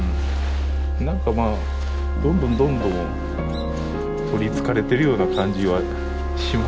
何かまあどんどんどんどん取りつかれてるような感じはしますけどね。